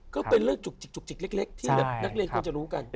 ก็เป็นเรื่องจุกเจียกเล็กที่นักเรียนต้องจะรู้กัน